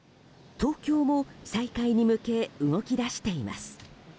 東京も再開に向け動き出しています。